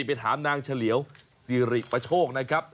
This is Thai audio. ไปถามนางเฉลียวสิริปโชคนะครับ